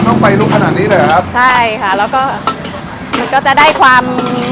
เริ่มแล้วนะช่วยไหม